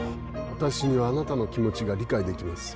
私にはあなたの気持ちが理解できます。